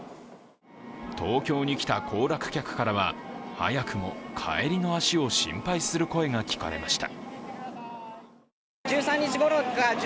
東京に来た行楽客からは早くも帰りの足を心配する声が聞かれました。